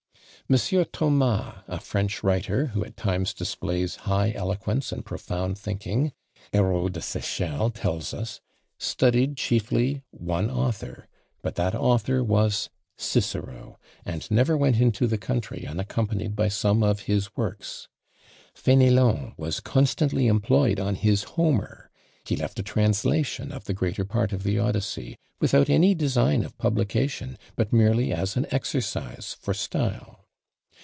Monsieur Thomas, a French writer, who at times displays high eloquence and profound thinking, Herault de Sechelles tells us, studied chiefly one author, but that author was Cicero; and never went into the country unaccompanied by some of his works. Fénélon was constantly employed on his Homer; he left a translation of the greater part of the Odyssey, without any design of publication, but merely as an exercise for style.